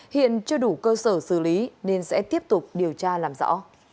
hiện chưa đủ cơ sở xử lý nên sẽ tiếp tục điều tra làm rõ